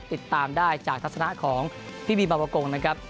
ติดตามได้จากทัศนะของพี่บีบาปกงนะครับ